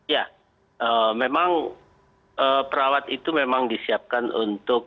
ya memang perawat itu memang disiapkan untuk